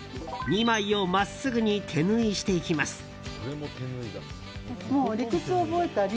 ２枚を真っすぐに手縫いしていきます。